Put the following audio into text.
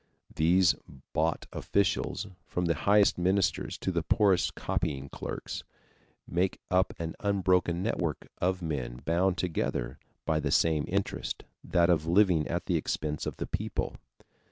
These bought officials, from the highest ministers to the poorest copying clerks, make up an unbroken network of men bound together by the same interest that of living at the expense of the people.